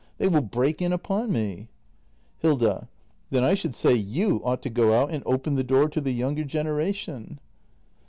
They will break in upon me! Hilda. Then I should say you ought to go out and open the door to the younger generation.